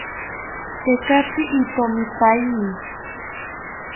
Tekatzi itomipaeni